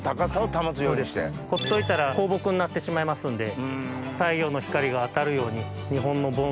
ほっといたら高木になってしまいますんで太陽の光が当たるように。